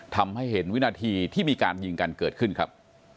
ทำให้เห็นวินาทีที่มีการยิงกันเกิดขึ้นครับ